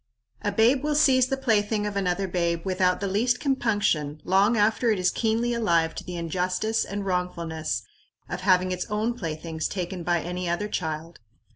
A babe will seize the plaything of another babe without the least compunction long after it is keenly alive to the injustice and wrongfulness of having its own playthings taken by any other child.